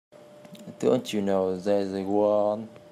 Don't you know there's a war on?